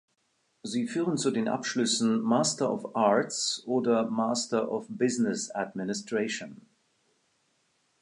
Sie führen zu den Abschlüssen Master of Arts oder Master of Business Administration.